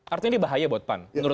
artinya ini bahaya buat pan